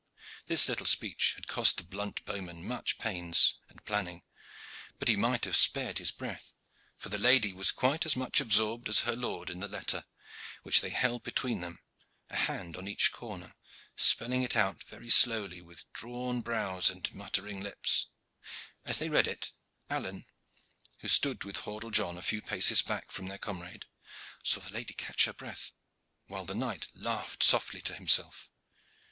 This little speech had cost the blunt bowman much pains and planning; but he might have spared his breath, for the lady was quite as much absorbed as her lord in the letter, which they held between them, a hand on either corner, spelling it out very slowly, with drawn brows and muttering lips. As they read it, Alleyne, who stood with Hordle John a few paces back from their comrade, saw the lady catch her breath, while the knight laughed softly to himself.